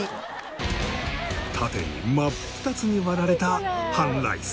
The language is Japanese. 縦に真っ二つに割られた半ライス。